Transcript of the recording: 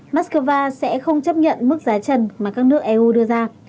moscow sẽ không chấp nhận mức giá trần mà các nước eu đưa ra